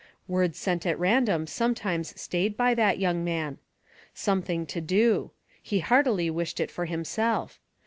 Words sent at random sometimes stayed by that young man. " Something to do "— he heartily wished it for himself.